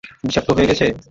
বিষাক্ত হয়ে গেছে!